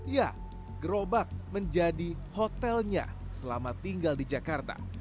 ya gerobak menjadi hotelnya selama tinggal di jakarta